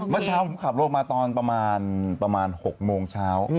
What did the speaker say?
เมื่อเช้าผมขับรถมาตอนประมาณ๖โมงเช้า